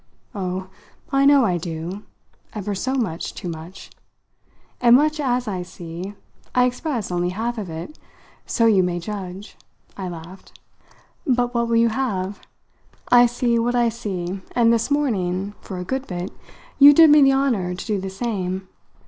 "Oh, I know I do ever so much too much. And much as I see, I express only half of it so you may judge!" I laughed. "But what will you have? I see what I see, and this morning, for a good bit, you did me the honour to do the same.